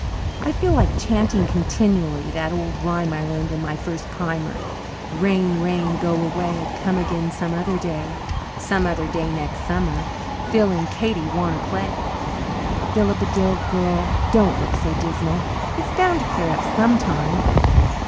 I feel like chanting continually that old rhyme I learned in the first primer, 'Rain, rain, go away, Come again some other day: some other day next summer Phil and Katie want to play.' Philippa, dear girl, don't look so dismal. It's bound to clear up sometime."